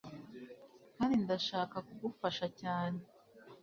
Kandi ndashaka kugufasha cyane